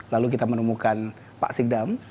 lalu kita menemukan pak sikdam